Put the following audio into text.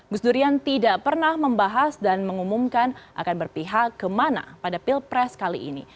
gus durian tidak pernah membahas dan mengumumkan akan berpihak kemana pada pilpres kali ini